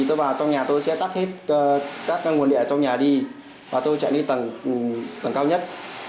tôi vào trong nhà tôi sẽ tắt hết các nguồn điện ở trong nhà đi và tôi chạy lên tầng cao nhất